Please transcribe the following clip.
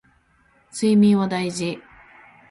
睡眠は大事